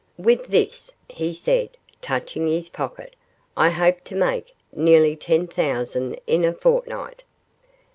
'With this,' he said, touching his pocket, 'I hope to make nearly ten thousand in a fortnight.